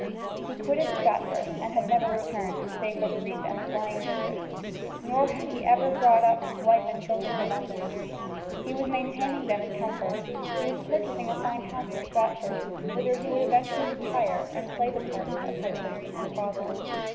He quitted Stratford, and had never returned, save for brief and flying visits. Nor had he ever brought up his wife and children to London. He was maintaining them in comfort, he was purchasing a fine house in Stratford, whither he would eventually retire and play the parts of husband and father.